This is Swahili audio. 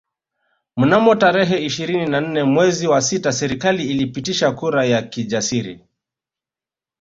Mnamo tarehe ishirini na nne mwezi wa sita serikali ilipitisha kura ya kijasiri